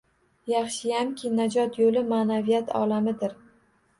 Yaxshiyamki, najot yo’li – ma’naviyat olamidir.